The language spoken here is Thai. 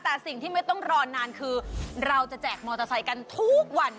แต่สิ่งที่ไม่ต้องรอนานคือเราจะแจกมอเตอร์ไซค์กันทุกวัน